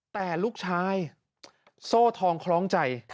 แต่ลูกชายโซ่ทองคล้องใจ